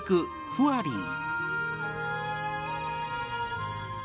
フワリー？